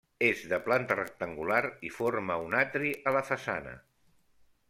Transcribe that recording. És de planta rectangular i forma un atri a la façana.